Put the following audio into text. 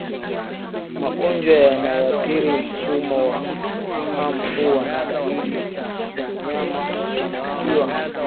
Magonjwa yanayoathiri mfumo wa fahamu huwa na dalili za mnyama kuchanganyikiwa